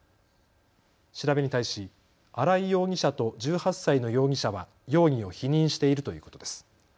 調べに対し荒井容疑者と１８歳の容疑者は容疑を否認しているということです。